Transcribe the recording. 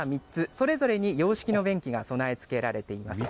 それぞれに洋式の便器が備え付けられています。